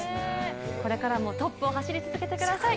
これからもトップを走り続けてください。